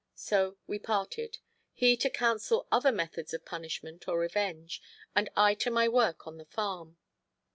So we parted; he to counsel other methods of punishment or revenge, and I to my work on the farm.